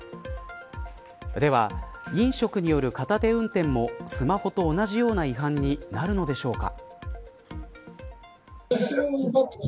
では、飲食による片手運転もスマホと同じような違反になるのでしょうか。